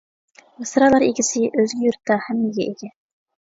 مىسرالار ئىگىسى ئۆزگە يۇرتتا ھەممىگە ئىگە.